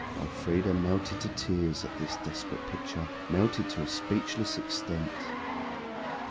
Elfrida melted to tears at this desperate picture, melted to a speechless extent.